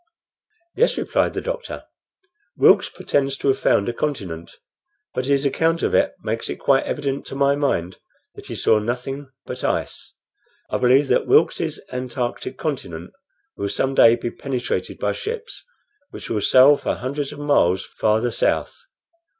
"Yes," replied the doctor. "Wilkes pretends to have found a continent, but his account of it makes it quite evident to my mind that he saw nothing but ice. I believe that Wilkes's antarctic continent will some day be penetrated by ships, which will sail for hundreds of miles farther south.